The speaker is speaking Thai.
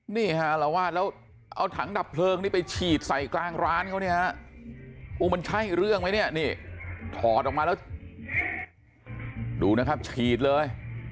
นี่ฮะอารวาสแล้วเอาถังดับเพลิงนี่ไปฉีดใส่กลางร้านเขาเนี่ยฮะโอ้มันใช่เรื่องไหมเนี่ยนี่ถอดออกมาแล้วดูนะครับฉีดเลย